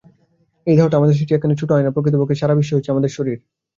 এই দেহটা আমাদের সৃষ্টি একখানি ছোট আয়না, প্রকৃতপক্ষে সারা বিশ্বই হচ্ছে আমাদের শরীর।